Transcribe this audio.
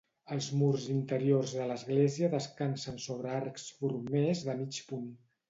Els murs interiors de l'església descansen sobre arcs formers de mig punt.